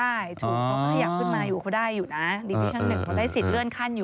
พรีสิ้นหนึ่งก็ได้เขาได้สินเลื่อนขั้นอยู่